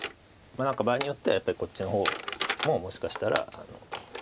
場合によってはやっぱりこっちの方ももしかしたら。